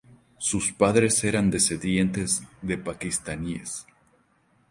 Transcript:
Sus padres eran descendientes de paquistaníes.